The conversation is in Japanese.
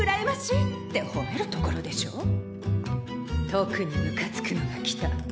特にムカつくのが来た。